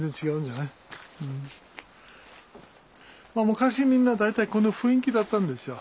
昔みんな大体こんな雰囲気だったんですよ。